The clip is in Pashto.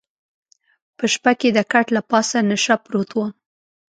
په شپه کې د کټ له پاسه نشه پروت وم.